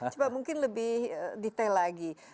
coba mungkin lebih detail lagi